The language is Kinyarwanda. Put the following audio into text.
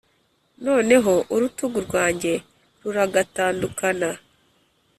Noneho urutugu rwanjye ruragatandukana.